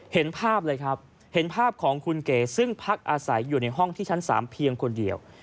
เห็นภาพเลยครับเห็นภาพของคุณเก๋ซึ่งพักอาศัยอยู่ในห้องที่ชั้น๓เพียงคนเดียว